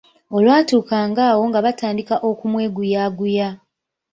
Olwatuukanga awo nga batandika okumweguyaguya.